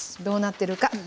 どうなってるか。